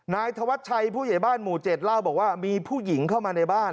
นายธวัชชัยผู้ใหญ่บ้านหมู่๗เล่าบอกว่ามีผู้หญิงเข้ามาในบ้าน